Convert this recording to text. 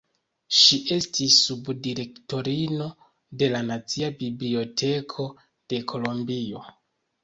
Ŝi estis sub-direktorino de la Nacia Biblioteko de Kolombio.